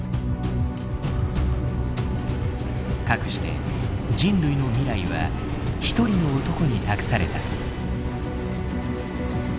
かくして人類の未来は一人の男に託された。